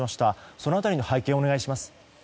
その辺りの背景をお願いします。